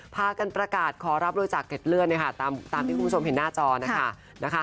พากันประกาศขอรับบริจาคเกร็ดเลือดตามที่คุณผู้ชมเห็นหน้าจอนะคะ